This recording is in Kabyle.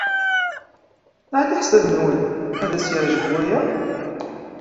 Ɣef leḥsab-nwen, ad as-yeɛjeb waya?